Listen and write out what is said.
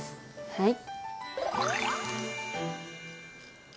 はい。